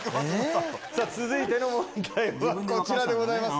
続いての問題はこちらでございます。